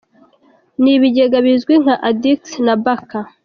Ni ibigega bizwi nka Addicks na Barker.